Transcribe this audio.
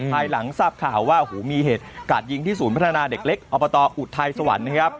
ภายหลังทราบข่าวว่าโอ้โหมีเหตุกาดยิงที่ศูนย์พัฒนาเด็กเล็กอบตอุทัยสวรรค์นะครับ